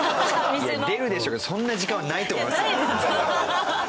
出るでしょうけどそんな時間はないと思いますよ。